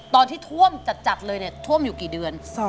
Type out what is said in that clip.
ตอนที่ท่วมจัดเลยเนี่ยท่วมอยู่กี่เดือน